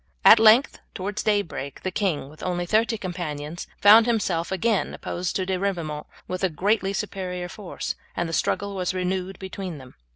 At length towards daybreak the king, with only thirty companions, found himself again opposed to De Ribaumont with a greatly superior force, and the struggle was renewed between them.